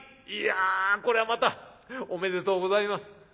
いやこりゃまたおめでとうございます」。